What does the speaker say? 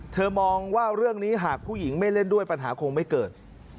มองว่าเรื่องนี้หากผู้หญิงไม่เล่นด้วยปัญหาคงไม่เกิด